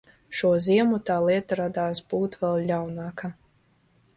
Šo ziemu tā lieta rādās būt vēl ļaunāka.